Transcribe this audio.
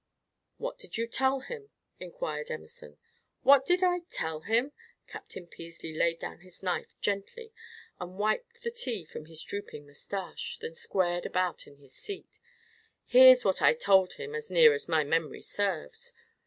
"What did you tell him?" inquired Emerson. "What did I tell him?" Captain Peasley laid down his knife gently and wiped the tea from his drooping mustache, then squared about in his seat. "Here's what I told him as near as my memory serves."